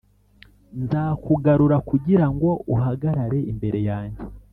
nzakugarura kugira ngo uhagarare imbere yanjye